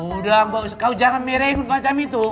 sudah mbak kau jangan merenggut macam itu